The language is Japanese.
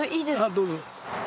どうぞ。